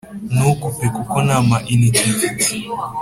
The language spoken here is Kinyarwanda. Nukupe kuko ntama inite mfite